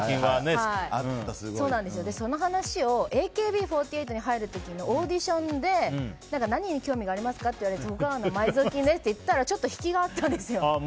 その話をＡＫＢ４８に入る時のオーディションで何に興味がありますかって言われて徳川の埋蔵金ですって言ったらちょっと引きがあったんですよ。